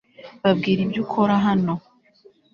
babwire ibyo ukora hano